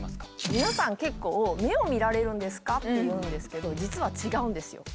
皆さん結構「目を見られるんですか？」って言うんですけど実は違うんですよ。